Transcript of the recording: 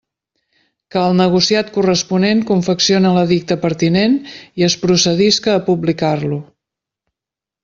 Que el negociat corresponent confeccione l'edicte pertinent i es procedisca a publicar-lo.